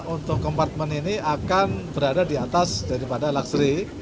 untuk kompartemen ini akan berada di atas daripada luxury